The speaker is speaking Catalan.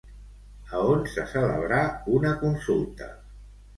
A on se celebrà una consulta?